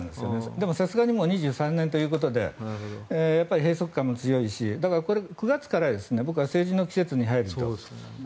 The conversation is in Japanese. でも、さすがにもう２３年ということで閉塞感も強いし、９月から僕は政治の季節に入るだろうと。